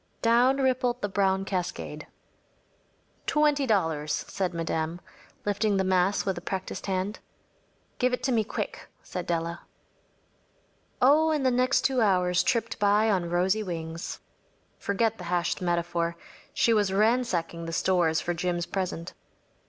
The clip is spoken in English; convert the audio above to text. ‚ÄĚ Down rippled the brown cascade. “Twenty dollars,‚ÄĚ said Madame, lifting the mass with a practised hand. “Give it to me quick,‚ÄĚ said Della. Oh, and the next two hours tripped by on rosy wings. Forget the hashed metaphor. She was ransacking the stores for Jim’s present.